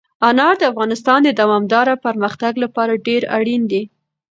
انار د افغانستان د دوامداره پرمختګ لپاره ډېر اړین دي.